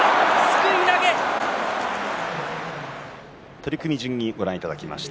取組順にご覧いただきました